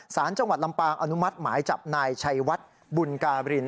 สารจังหวัดลำปางอนุมัติหมายจับนายชัยวัดบุญการิน